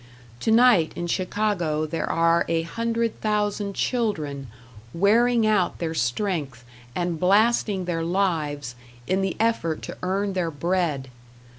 Tonight in Chicago there are a hundred thousand children wearing out their strength and blasting their lives in the effort to earn their bread!